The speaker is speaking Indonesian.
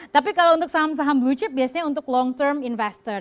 tapi kalau untuk saham saham blue chip biasanya untuk long term investor